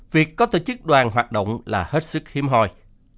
việc có tổ chức đoàn hoạt động là hết sức hiếm hoi